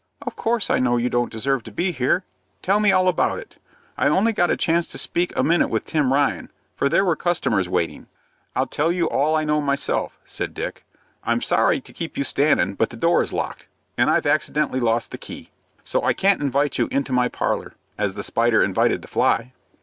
"Of course I know you don't deserve to be here. Tell me all about it. I only got a chance to speak a minute with Tim Ryan, for there were customers waiting." "I'll tell you all I know myself," said Dick. "I'm sorry to keep you standing, but the door is locked, and I've accidentally lost the key. So I can't invite you into my parlor, as the spider invited the fly."